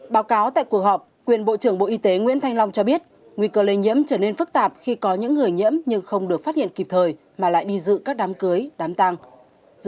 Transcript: báo cáo tại cuộc họp quyền bộ trưởng bộ y tế nguyễn thanh long cho biết nguy cơ lây nhiễm trở nên phức tạp khi có những người nhiễm nhưng không được phát hiện kịp thời mà lại đi dự các đám cưới đám tăng